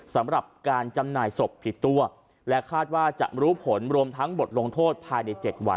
สำหรับการจำหน่ายศพผิดตัวและคาดว่าจะรู้ผลรวมทั้งบทลงโทษภายใน๗วัน